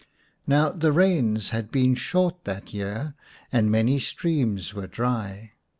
Now the rains had been short that year, and many streams were dry.